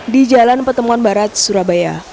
di jalan petemuan barat surabaya